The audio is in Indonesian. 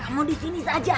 kamu di sini saja